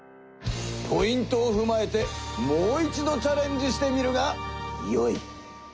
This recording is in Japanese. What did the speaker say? ポイントをふまえてもう一度チャレンジしてみるがよい！